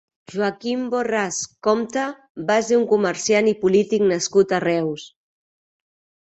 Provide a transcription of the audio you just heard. Joaquim Borràs Compte va ser un comerciant i polític nascut a Reus.